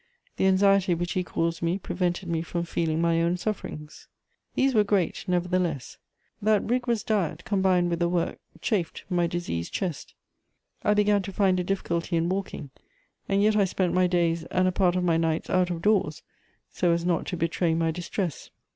The anxiety which he caused me prevented me from feeling my own sufferings. These were great, nevertheless: that rigorous diet, combined with the work, chafed my diseased chest; I began to find a difficulty in walking, and yet I spent my days and a part of my nights out of doors, so as not to betray my distress.